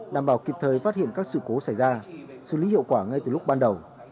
đảm bảo kịp thời phát hiện các sự cố xảy ra xử lý hiệu quả ngay từ lúc ban đầu